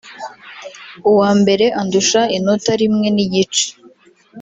uwa mbere andusha inota rimwe n’igice